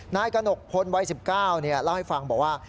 นายกระหนกพลวัย๑๙เล่าให้ฟังบอกว่า